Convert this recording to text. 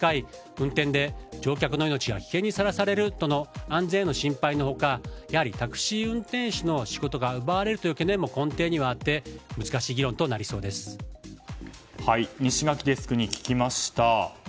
運転で乗客の命が危険にさらされるとの安全への懸念が示される中やはりタクシー運転手の仕事が奪われるという懸念も根底にはあって西垣デスクに聞きました。